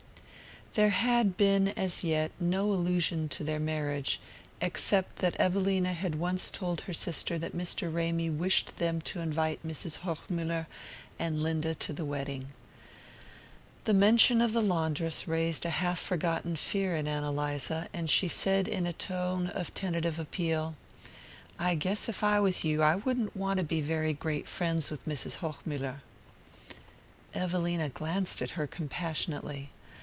There had been, as yet, no allusion to their marriage, except that Evelina had once told her sister that Mr. Ramy wished them to invite Mrs. Hochmuller and Linda to the wedding. The mention of the laundress raised a half forgotten fear in Ann Eliza, and she said in a tone of tentative appeal: "I guess if I was you I wouldn't want to be very great friends with Mrs. Hochmuller." Evelina glanced at her compassionately.